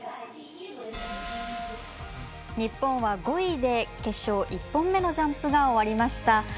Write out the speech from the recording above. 日本は５位で決勝１本目のジャンプが終わりました。